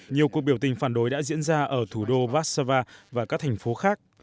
nhiều cuộc biểu tình phản đối đã diễn ra ở thủ đô vác sava và các thành phố khác